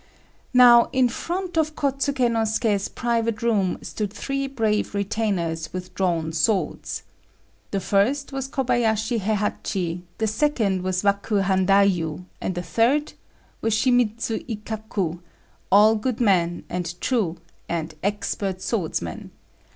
Now in front of Kôtsuké no Suké's private room stood three brave retainers with drawn swords. The first was Kobayashi Héhachi, the second was Waku Handaiyu, and the third was Shimidzu Ikkaku, all good men and true, and expert swordsmen.